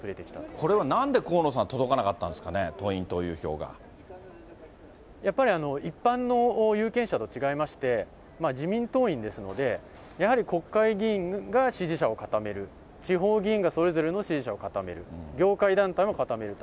これは、なんで河野さん、届かなかったんですかね、党員・党やっぱり一般の有権者と違いまして、自民党員ですので、やはり国会議員が支持者を固める、地方議員がそれぞれの支持者を固める、業界団体が固めると。